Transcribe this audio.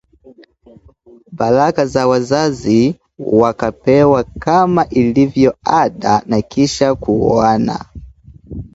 Baraka za wazazi wakapewa kama ilivyo ada na kisha kuoana